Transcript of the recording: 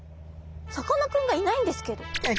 さかなクンがいないんですけど。